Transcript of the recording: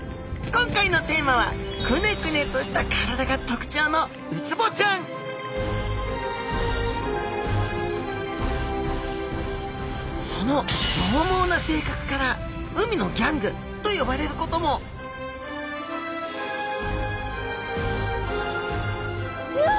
今回のテーマはくねくねとした体が特徴のウツボちゃんそのどう猛な性格から海のギャングと呼ばれることもうわ！